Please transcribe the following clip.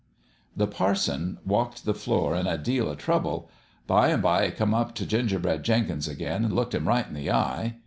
" The parson walked the floor in a deal o' trouble. By an' by he come up t' Gingerbread Jenkins again an' looked him right in the eye.